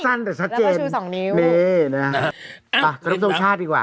แล้วก็ชูสองนิ้ว